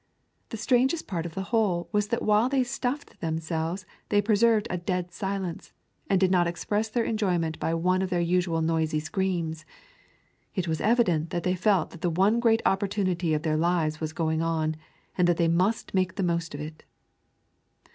The strangest part of the whole was that while they stuffed themselves they preserved a dead silence, and did not express their enjoyment by one of their usual noisy screams. It was evident that they felt that the one great opportunity of their lives was going on, and that they must make the most of it.